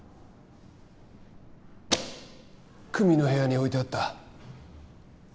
久実の部屋に置いてあった。